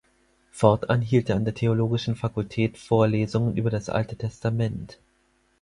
Fortan hielt er an der theologischen Fakultät Vorlesungen über das Alte Testament.